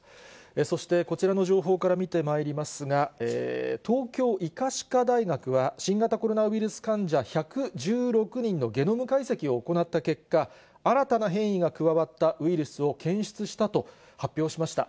そして、こちらの情報から見てまいりますが、東京医科歯科大学は、新型コロナウイルス患者１１６人のゲノム解析を行った結果、新たな変異が加わったウイルスを検出したと発表しました。